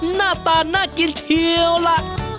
หน้าตาน่ากินเชียวล่ะ